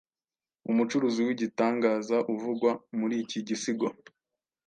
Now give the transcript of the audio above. Umucuzi wigitangaza uvugwa muri iki gisigo